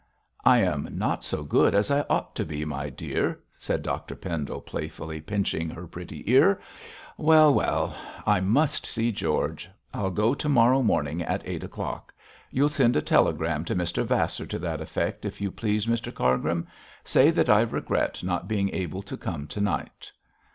'I am not so good as I ought to be, my dear,' said Dr Pendle, playfully pinching her pretty ear. 'Well! well! I must see George. I'll go to morrow morning at eight o'clock. You'll send a telegram to Mr Vasser to that effect, if you please, Mr Cargrim. Say that I regret not being able to come to night.'